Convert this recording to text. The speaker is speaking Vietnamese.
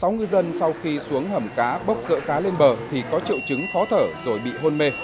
sáu ngư dân sau khi xuống hầm cá bốc dỡ cá lên bờ thì có triệu chứng khó thở rồi bị hôn mê